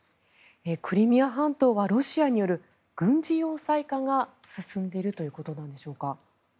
クリミア半島はロシアによる軍事要塞化が進んでいるということなのでしょうか。